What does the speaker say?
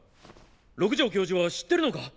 六条教授は知ってるのか？